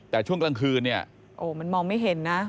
แต่ช่วงกลางคืนเนี่ยโอ้มันมองไม่เห็นนะ